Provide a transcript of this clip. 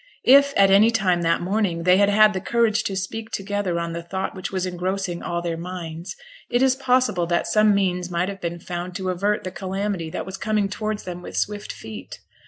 If at any time that morning they had had the courage to speak together on the thought which was engrossing all their minds, it is possible that some means might have been found to avert the calamity that was coming towards them with swift feet.